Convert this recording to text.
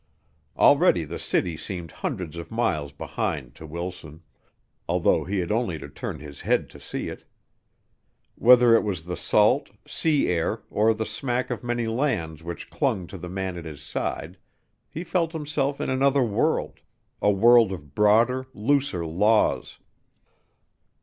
Already the city seemed hundreds of miles behind to Wilson, although he had only to turn his head to see it. Whether it was the salt, sea air or the smack of many lands which clung to the man at his side, he felt himself in another world, a world of broader, looser laws.